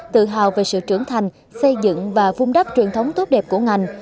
tự hào về sự trưởng thành xây dựng và vung đắp truyền thống tốt đẹp của ngành